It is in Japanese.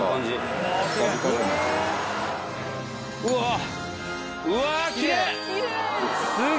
うわ！